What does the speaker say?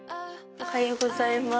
おはようございます。